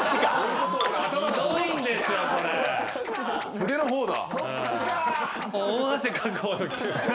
筆の方だ。